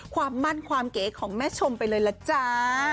ความมั่นความเก๋ของแม่ชมไปเลยล่ะจ้า